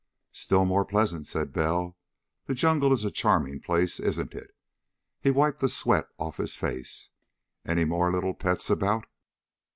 "Still more pleasant," said Bell. "The jungle is a charming place, isn't it?" He wiped the sweat off his face. "Any more little pets about?"